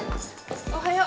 おはよう。